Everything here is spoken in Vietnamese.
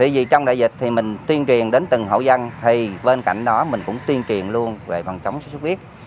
vì trong đại dịch thì mình tuyên truyền đến từng hậu dân thì bên cạnh đó mình cũng tuyên truyền luôn về phòng chống sốt huyết